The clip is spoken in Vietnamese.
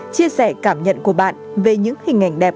chia sẻ cảm nhận của bạn về những hình ảnh đẹp